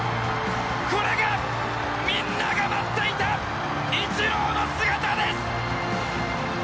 これがみんなが待っていたイチローの姿です！